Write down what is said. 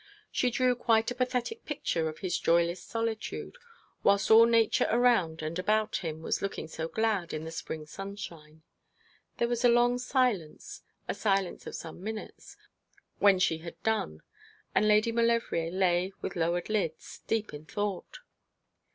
She drew quite a pathetic picture of his joyless solitude, whilst all nature around and about him was looking so glad in the spring sunshine. There was a long silence, a silence of some minutes, when she had done; and Lady Maulevrier lay with lowered eyelids, deep in thought.